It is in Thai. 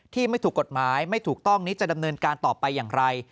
ไม่ถูกกฎหมายไม่ถูกต้องนี้จะดำเนินการต่อไปอย่างไร